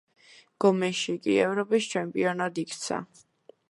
გომეში კი ევროპის ჩემპიონად იქცა.